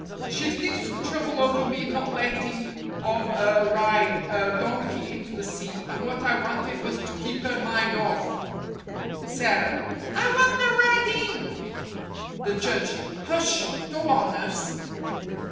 She'd give some trouble over me not letting of 'er ride 'er donkey into the sea, and what I wanted was to keep 'er mind off." Sara : I want the red ink. The Judge : Hush. Go on, nurse.